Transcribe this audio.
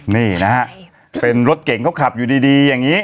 นี่นะฮะเป็นรถเก่งเขาขับอยู่ดีอย่างนี้